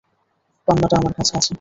পান্নাটা আমার কাছে আছে।